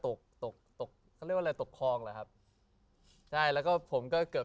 ตกตกตกเขาเรียกว่าอะไรตกคลองเหรอครับใช่แล้วก็ผมก็เกือบ